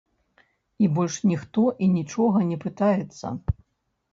І больш ніхто і нічога не пытаецца.